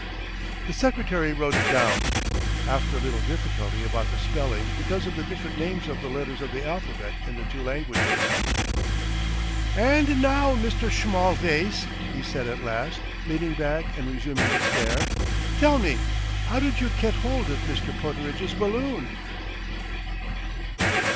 The secretary wrote it down, after a little difficulty about the spelling because of the different names of the letters of the alphabet in the two languages. "And now, Mr. Schmallvays," he said at last, leaning back and resuming the stare, "tell me: how did you ket hold of Mister Pooterage's balloon?"